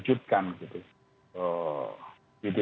jadi itu cukup mengejutkan